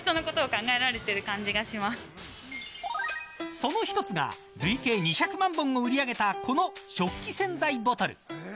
その１つが累計２００万本を売り上げたこの食器洗剤ボトル。